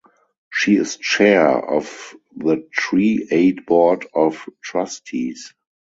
She is Chair of the Tree Aid Board of Trustees.